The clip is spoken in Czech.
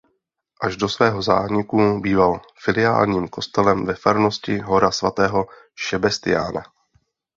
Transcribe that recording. Až do svého zániku býval filiálním kostelem ve farnosti Hora Svatého Šebestiána.